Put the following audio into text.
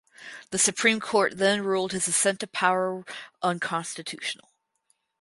The Supreme Court then ruled his ascent to power unconstitutional.